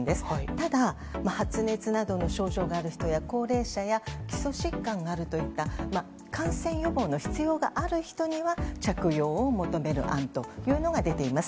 ただ、発熱などの症状がある人や高齢者や基礎疾患があるといった感染予防の必要がある人には着用を求める案というのが出ています。